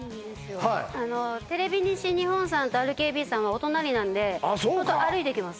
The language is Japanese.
あのテレビ西日本さんとＲＫＢさんはお隣なんであそうか歩いて行けます